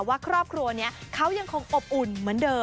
ว่าครอบครัวนี้เขายังคงอบอุ่นเหมือนเดิม